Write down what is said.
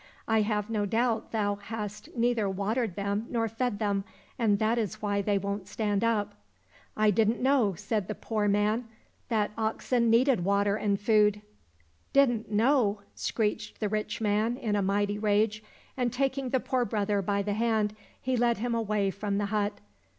I have no doubt thou hast neither watered them nor fed them, and that is why they won't stand up." —*' I didn't know," said the poor man, " that oxen needed water and food." —" Didn't know !" screeched the rich man, in a mighty rage, and taking the poor brother by the hand, he led him away from the hut.